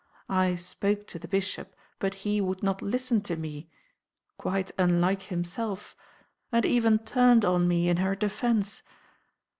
I spoke to the Bishop, but he would not listen to me—quite unlike himself; and even turned on me in her defence.